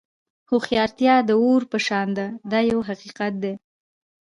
هوښیارتیا د اور په شان ده دا یو حقیقت دی.